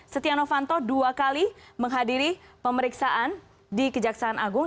setia novanto dua kali menghadiri pemeriksaan di kejaksaan agung